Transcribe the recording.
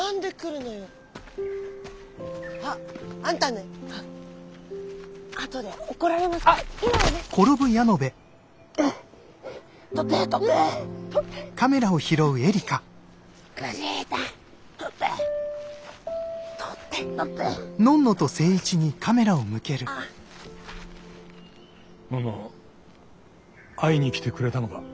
のんの会いに来てくれたのか？